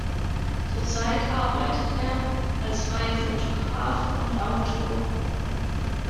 Zurzeit arbeitet er als freier Fotograf und Autor.